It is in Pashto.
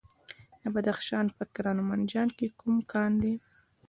د بدخشان په کران او منجان کې کوم کان دی؟